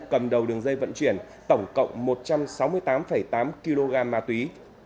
cầm đầu đường dây vận chuyển tổng cộng một trăm sáu mươi tám tám kg ma túy